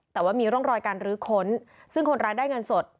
แต่ว่ามีร่องรอยการรื้อค้นซึ่งคนร้ายได้เงินสด